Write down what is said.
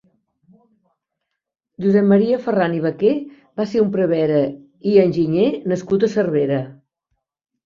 Josep Maria Ferran i Baqué va ser un prevere i enginyer nascut a Cervera.